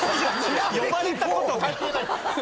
呼ばれたことない。